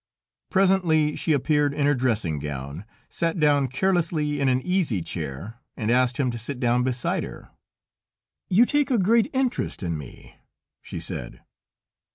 Presently she appeared in her dressing gown, sat down carelessly in an easy chair, and asked him to sit down beside her. "You take a great interest in me?" she said.